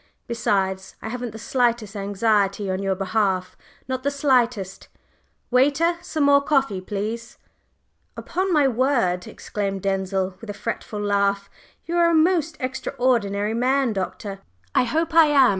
Besides, I haven't the slightest anxiety on your behalf not the slightest. Waiter, some more coffee, please?" "Upon my word!" exclaimed Denzil, with a fretful laugh, "you are a most extraordinary man, Doctor!" "I hope I am!"